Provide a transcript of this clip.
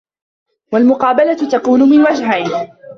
وَالْمُقَابَلَةُ تَكُونُ مِنْ وَجْهَيْنِ